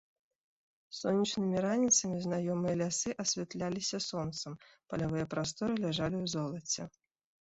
Сонечнымі раніцамі знаёмыя лясы асвятляліся сонцам, палявыя прасторы ляжалі ў золаце.